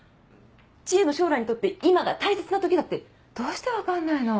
知恵の将来にとって今が大切な時だってどうして分かんないの？